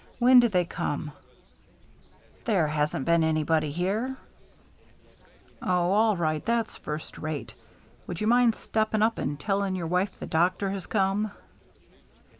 When did they ccmer •* There hasn't anybodT been here" •*Oh, all ri^t That's first rate — would yoa mind stepping up and telling your wife the doctor has come?"